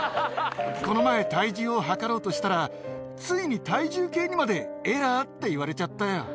この前、体重を量ろうとしたら、ついに体重計にまでエラーって言われちゃったよ。